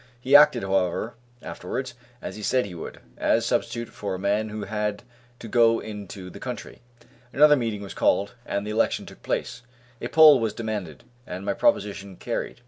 He acted, however, afterwards as he said he would, as substitute for a man who had to go into the country. Another meeting was called, and the election took place; a poll was demanded, and my proposition carried.